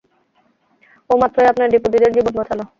ও মাত্রই আপনার ডেপুটিদের জীবন বাঁচালো।